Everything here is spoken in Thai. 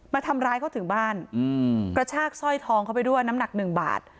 มาทำร้ายเขาถึงบ้านกระชากสร้อยทองเข้าไปด้วยน้ำหนักหนึ่งบาท